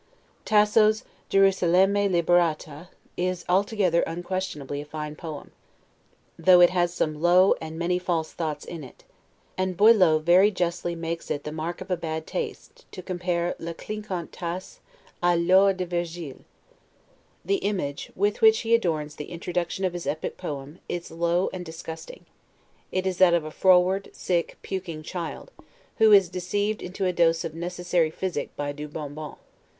Tasso's 'Gierusalemme Liberata' is altogether unquestionably a fine poem, though it has some low, and many false thoughts in it: and Boileau very justly makes it the mark of a bad taste, to compare 'le Clinquant Tasse a l' Or de Virgile'. The image, with which he adorns the introduction of his epic poem, is low and disgusting; it is that of a froward, sick, puking child, who is deceived into a dose of necessary physic by 'du bon bon'.